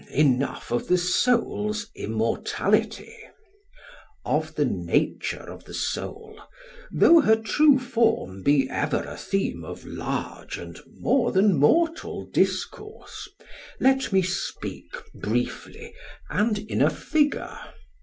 Enough of the soul's immortality. Of the nature of the soul, though her true form be ever a theme of large and more than mortal discourse, let me speak briefly, and in a figure.